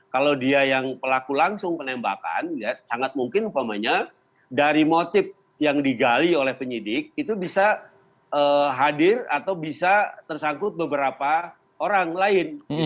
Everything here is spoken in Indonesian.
kalau dia yang pelaku langsung penembakan sangat mungkin umpamanya dari motif yang digali oleh penyidik itu bisa hadir atau bisa tersangkut beberapa orang lain